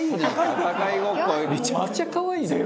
めちゃくちゃ可愛いな。